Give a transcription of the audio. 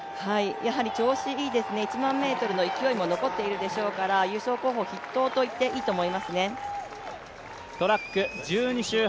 やはり調子がいいですね、１００００ｍの勢いも残っているでしょうから優勝候補筆頭と言っていいと思いますね。